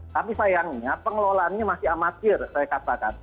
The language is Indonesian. tapi sayangnya pengelolaannya masih amatir saya katakan